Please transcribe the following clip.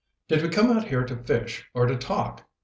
"Did we come out here to fish or to talk?"